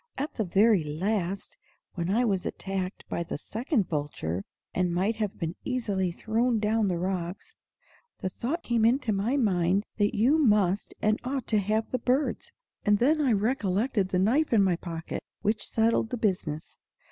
At the very last, when I was attacked by the second vulture, and might have been easily thrown down the rocks, the thought came into my mind that you must and ought to have the birds; and then I recollected the knife in my pocket, which settled the business.